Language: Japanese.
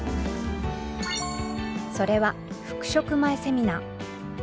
それは復職前セミナー。